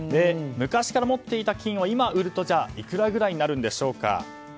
昔から持っていた金を今売るといくらぐらいになるんでしょうか。